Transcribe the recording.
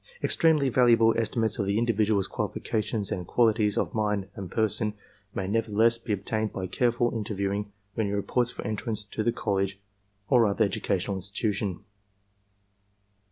Extremely valuable estimates of the individual's qualifications and qualities of mind and person may nevertheless be obtained by careful inter viewing when he reports for entrance to the college or other educational institution.